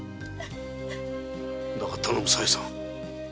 だが頼む小夜さん。